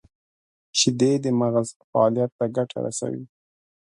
• شیدې د مغز فعالیت ته ګټه رسوي.